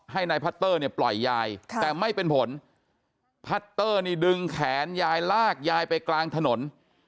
ให้นายพัตเตอร์เนี่ยปล่อยยายแต่ไม่เป็นผลพัตเตอร์นี่ดึงแขนยายลากยายไปกลางถนน